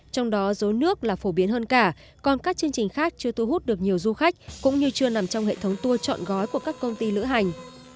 trong đó rối nước là phổ biến hơn cả còn các chương trình khác chưa thu hút được nhiều du khách cũng như chưa nằm trong hệ thống tour chọn gói của các công ty lữ hành